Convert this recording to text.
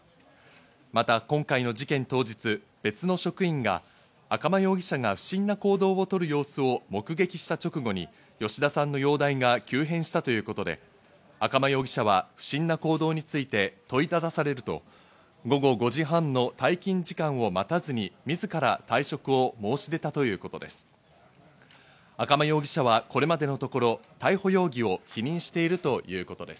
また今回の事件当日、別の職員が赤間容疑者が不審な行動を取る様子を目撃した直後に吉田さんの容体が急変したということで、赤間容疑者は不審な行動について問いただされると、午後５時半の退勤時間を待たずに自ら退職を申し出たということです。